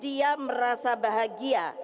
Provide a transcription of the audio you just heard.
dia merasa bahagia